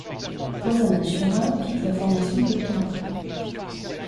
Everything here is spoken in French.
Rosanna Schura quitte la formation peu de temps après.